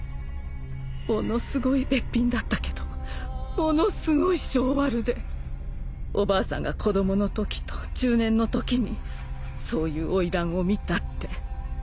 ものすごいべっぴんだったけどものすごい性悪でおばあさんが子供のときと中年のときにそういう花魁を見たって。